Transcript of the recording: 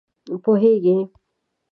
پوهېږې!